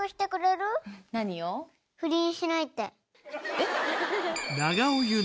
えっ。